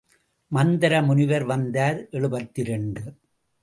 மந்தர முனிவர் வந்தார் எழுபத்திரண்டு.